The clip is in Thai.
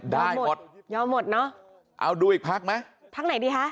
ได้หมดยอมหมดเนอะเอาดูอีกพักไหมพักไหนดีฮะ